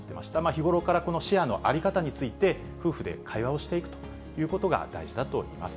日ごろからシェアの在り方について、夫婦で会話をしていくということが、大事だといいます。